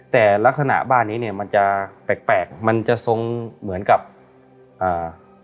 แต่ลักษณะบ้านนี้เนี้ยมันจะแปลกแปลกมันจะทรงเหมือนกับอ่า